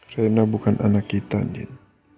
reina bukan anak kita nin